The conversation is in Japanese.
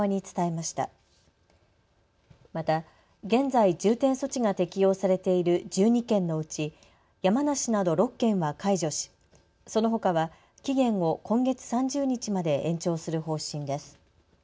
また現在、重点措置が適用されている１２県のうち山梨など６県は解除しそのほかは期限を今月３０日まで延長する方針です。